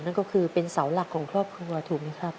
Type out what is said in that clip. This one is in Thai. นั่นก็คือเป็นเสาหลักของครอบครัวถูกไหมครับ